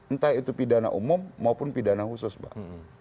entah itu pidana umum maupun pidana khusus mbak